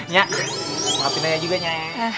ngapain aja juga nya